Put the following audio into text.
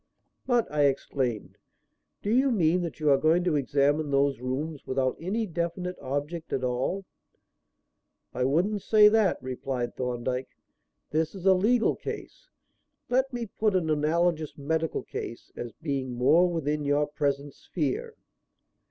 "But," I exclaimed, "do you mean that you are going to examine those rooms without any definite object at all?" "I wouldn't say that," replied Thorndyke. "This is a legal case. Let me put an analogous medical case as being more within your present sphere.